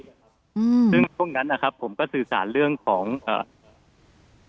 อืมซึ่งช่วงนั้นนะครับผมก็สื่อสารเรื่องของเอ่อ